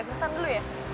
kesan dulu ya